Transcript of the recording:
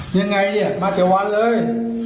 ยังไงเนี่ยมาเกี่ยววันเลย